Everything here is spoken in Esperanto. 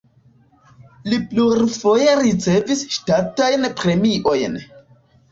Li plurfoje ricevis ŝtatajn premiojn.